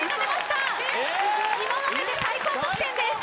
今までで最高得点です。